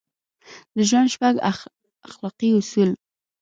د ژوند شپږ اخلاقي اصول: